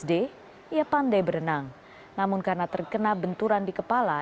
dia pandai berenang namun karena terkena benturan di kepala